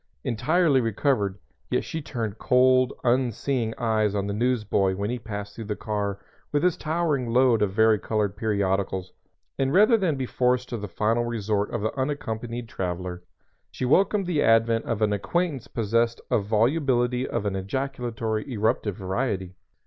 Entirely recovered, yet she turned cold, unseeing eyes on the newsboy when he passed through the car with his towering load of varicolored periodicals, and rather than be forced to the final resort of the unaccompanied traveler, she welcomed the advent of an acquaintance possessed of volubility of an ejaculatory, eruptive variety.